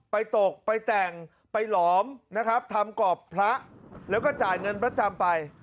ตกไปแต่งไปหลอมนะครับทำกรอบพระแล้วก็จ่ายเงินประจำไป